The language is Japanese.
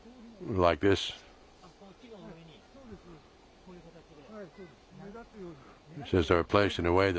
こういう形で？